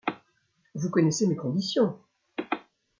Vous connaissez mes conditions ?